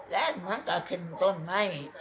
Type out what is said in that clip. แล้งมันก็ขึ้นต้นไหม